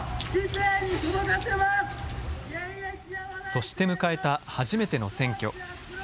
そして迎えた初めての選挙。